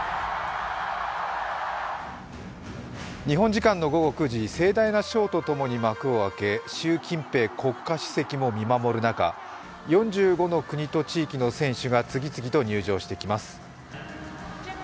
日本時間の午後９時、盛大なショーとともに幕を開け習近平国家主席も見守る中、４５の国と地域の選手が次々と入場してきます。